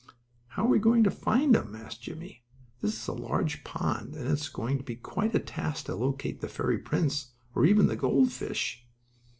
"How are you going to find him?" asked Jimmie. "This is a large pond, and it's going to be quite a task to locate the fairy prince, or even the gold fish."